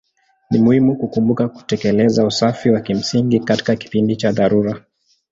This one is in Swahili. Ni muhimu kukumbuka kutekeleza usafi wa kimsingi katika kipindi cha dharura.